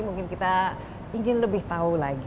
mungkin kita ingin lebih tahu lagi